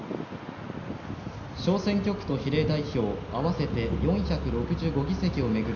小選挙区と比例代表合わせて４６５議席を巡る